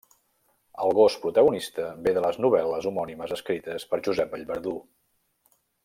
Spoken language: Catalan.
El gos protagonista ve de les novel·les homònimes escrites per Josep Vallverdú.